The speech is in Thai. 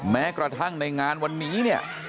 แม้กระทั่งในงานวันนี้เนี่ย